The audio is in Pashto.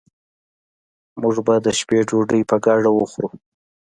موږ به د شپې ډوډي په ګډه وخورو